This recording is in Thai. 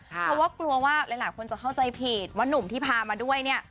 เพราะว่ากลัวว่าหลายคนจะเข้าใจผิดว่านุ่มที่พามาด้วยเนี่ย